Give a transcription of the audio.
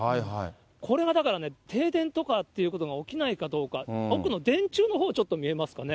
これがだからね、停電とかっていうことが起きないかどうか、奥の電柱のほう、ちょっと見えますかね。